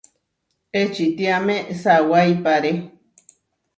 Ečitiáme sawáipare.